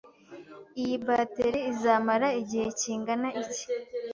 Iyi bateri izamara igihe kingana iki?